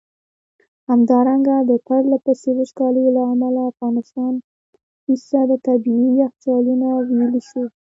همدارنګه د پرله پسي وچکالیو له امله د افغانستان ٪ طبیعي یخچالونه ویلي شوي.